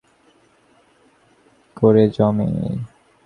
বর্ষার পর থেকেই এই হাট বেশি করে জমে।